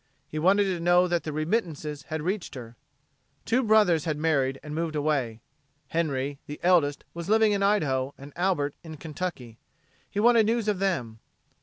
He wanted to know that the remittances had reached her. Two brothers had married and moved away. Henry, the eldest, was living in Idaho, and Albert in Kentucky. He wanted news of them.